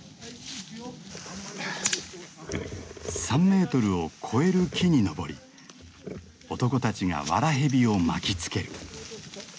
３メートルを超える木に登り男たちが藁蛇を巻きつける。